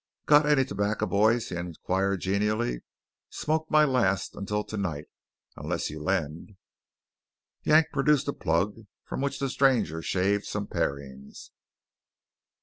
"Got any tobacco, boys?" he inquired genially. "Smoked my last until to night, unless you'll lend." Yank produced a plug, from which the stranger shaved some parings.